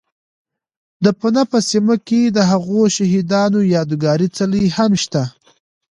، د پنه په سیمه کې دهغو شهید انو یاد گاري څلی هم شته